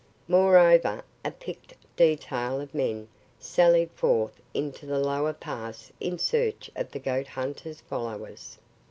Moreover, a picked detail of men sallied forth into the lower pass in search of the goat hunter's followers.